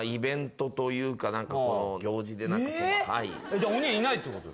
じゃあ鬼いないってこと？